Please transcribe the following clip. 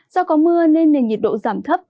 do có mưa nên nền nhiệt độ giảm thấp